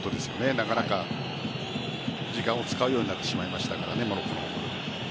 なかなか時間を使うようになってしまいましたからねモロッコは。